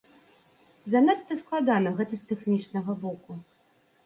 Занадта складана гэта з тэхнічнага боку.